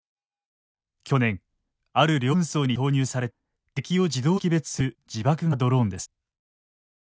去年ある領土紛争に投入された敵を自動で識別する自爆型ドローンです。